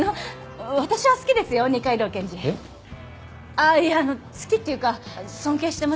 ああいやあの好きっていうか尊敬してます。